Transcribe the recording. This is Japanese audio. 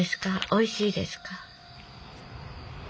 おいしいですか？